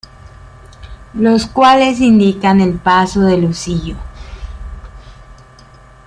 Los cuales indican el paso del husillo.